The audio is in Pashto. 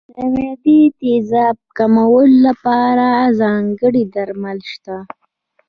د معدې تېزاب کمولو لپاره ځانګړي درمل شته.